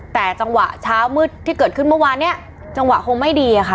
แต่จังหวะเช้ามืดที่เกิดขึ้นเมื่อวานเนี่ยจังหวะคงไม่ดีอะค่ะ